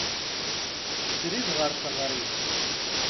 Srid ɣer teɣrit.